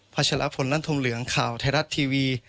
พัชลภนรันทมเหลืองข่าวไทยรัฐทีวี